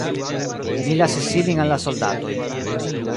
Mi lasis ilin al la soldatoj.